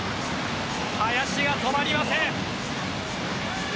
林が止まりません。